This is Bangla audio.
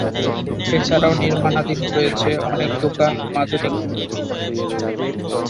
এছাড়াও নির্মাণাধীন রয়েছে অনেক দোকান ও আধুনিক মল।